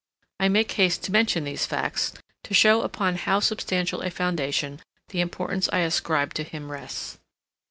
I make haste to mention these facts, to show upon how substantial a foundation the importance I ascribe to him rests.